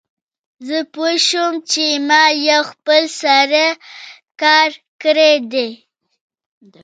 زه پوه شوم چې ما یو خپل سری کار کړی دی